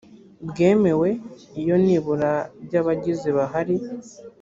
bwemewe iyo nibura by abayigize bahari